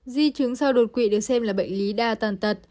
di chứng sau đột quỵ được xem là bệnh lý đa tàn tật